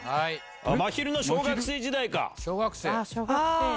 まひるの小学生時代か。